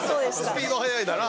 スピード速いなら。